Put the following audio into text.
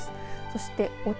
そして南。